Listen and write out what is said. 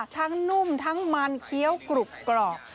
นุ่มทั้งมันเคี้ยวกรุบกรอบ